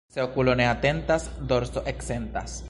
Se okulo ne atentas, dorso eksentas.